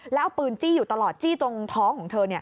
แล้วเอาปืนจี้อยู่ตลอดจี้ตรงท้องของเธอ